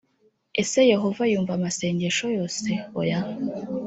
ese yehova yumva amasengesho yose? oya.